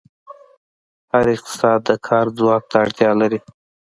هر اقتصاد د کار ځواک ته اړتیا لري.